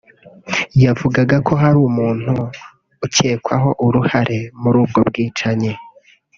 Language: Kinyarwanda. yavugaga ko hari umuntu ukekwaho uruhare muri ubwo bwicanyi